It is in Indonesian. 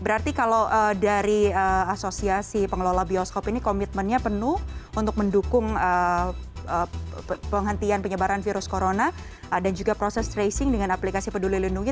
berarti kalau dari asosiasi pengelola bioskop ini komitmennya penuh untuk mendukung penghentian penyebaran virus corona dan juga proses tracing dengan aplikasi peduli lindungi